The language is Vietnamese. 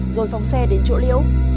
rồi phong xe đến chỗ liễu